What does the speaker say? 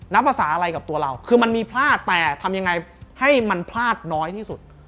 ภาษาอะไรกับตัวเราคือมันมีพลาดแต่ทำยังไงให้มันพลาดน้อยที่สุด